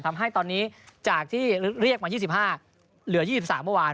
ทำให้ตอนนี้จากที่เรียกมา๒๕เหลือ๒๓เมื่อวาน